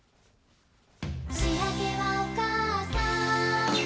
「しあげはおかあさん」